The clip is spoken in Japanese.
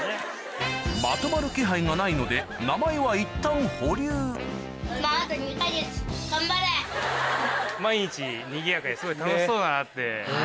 まとまる気配がないのでいったん毎日にぎやかですごい楽しそうだなって思いました。